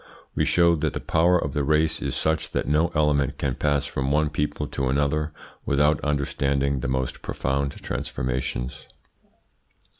We showed that the power of the race is such that no element can pass from one people to another without undergoing the most profound transformations.